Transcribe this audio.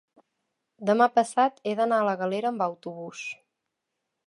demà passat he d'anar a la Galera amb autobús.